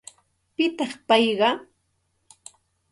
¿Pitaq payqa?